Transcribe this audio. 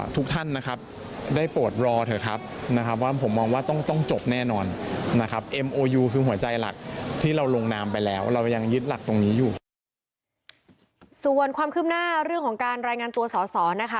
ส่วนความคืบหน้าเรื่องของการรายงานตัวสอสอนะคะ